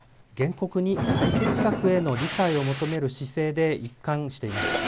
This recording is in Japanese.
徴用の問題は、原告に解決策への理解を求める姿勢で一貫しています。